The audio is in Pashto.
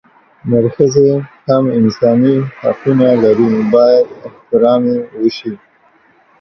نرښځي هم انساني حقونه لري بايد احترام يې اوشي